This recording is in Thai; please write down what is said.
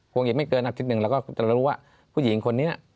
คงอีกไม่เกินนักชิ้นหนึ่งเราก็รู้ว่าผู้หญิงคนนี้